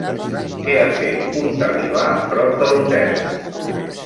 Què ha fet un talibà prop de l'hotel?